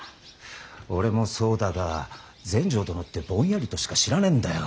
俺もそうだが全成殿ってぼんやりとしか知らねえんだよ。